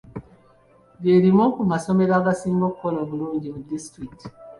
Lye limu ku masomero agasinga okukola obulungi mu disitulikiti.